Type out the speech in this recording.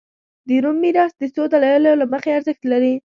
د روم میراث د څو دلایلو له مخې ارزښت لري